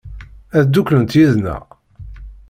Ad dduklent yid-neɣ?